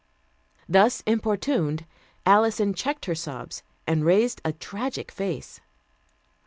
Thus importuned, Alison checked her sobs and raised a tragic face.